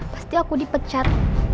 pasti aku dipecat